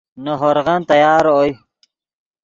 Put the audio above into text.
نے ہورغن تیار اوئے